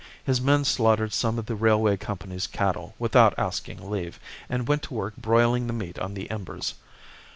His men slaughtered some of the Railway Company's cattle without asking leave, and went to work broiling the meat on the embers.